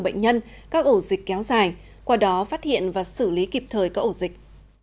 bệnh nhân các ổ dịch kéo dài qua đó phát hiện và xử lý kịp thời các ổ dịch